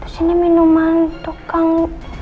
sini minuman tukang